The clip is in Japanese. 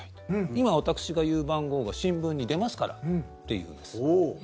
今、私が言う番号が新聞に出ますからって言うんです。